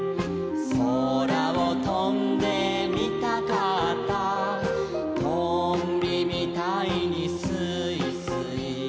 「そらをとんでみたかった」「とんびみたいにすいすい」